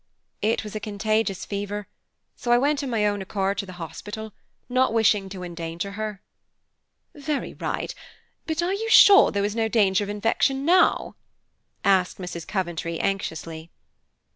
It was a contagious fever, so I went of my own accord to the hospital, not wishing to endanger her." "Very right, but are you sure there is no danger of infection now?" asked Mrs. Coventry anxiously.